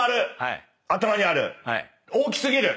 頭にある。